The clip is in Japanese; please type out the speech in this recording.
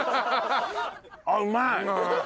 あっうまい！